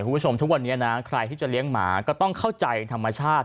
ทุกวันนี้นะใครที่จะเลี้ยงหมาก็ต้องเข้าใจธรรมชาติ